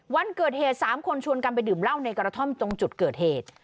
วันเกิดเหตุ๓คนชวนกันไปดื่มเหล้าในกระท่อมตรงจุดเกิดเหตุ